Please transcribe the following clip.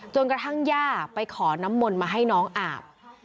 กระทั่งย่าไปขอน้ำมนต์มาให้น้องอาบ